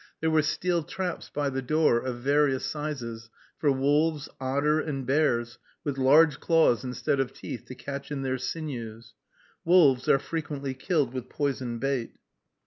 There were steel traps by the door, of various sizes, for wolves, otter, and bears, with large claws instead of teeth, to catch in their sinews. Wolves are frequently killed with poisoned bait.